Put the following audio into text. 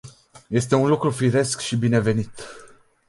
Este un lucru firesc și binevenit.